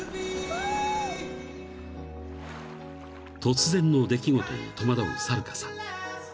［突然の出来事に戸惑うサルカさん］